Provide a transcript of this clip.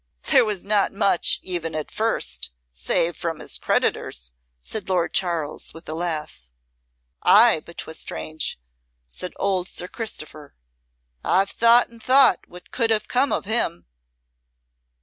"There was not much even at first, save from his creditors," said Lord Charles, with a laugh. "Ay, but 'twas strange," said old Sir Christopher. "I've thought and thought what could have come of him.